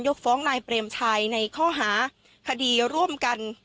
ฟ้องนายเปรมชัยในข้อหาคดีร่วมกัน